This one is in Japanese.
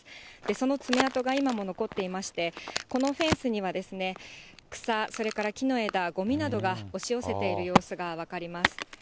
その爪痕が今も残っていまして、このフェンスには、草、それから木の枝、ごみなどが押し寄せている様子が分かります。